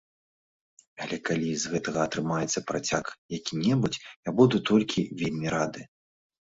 Але калі з гэтага атрымаецца працяг які-небудзь, я буду толькі вельмі рады.